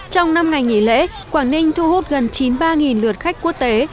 trong năm ngày nghỉ lễ quảng ninh thu hút gần chín mươi ba lượt khách quốc tế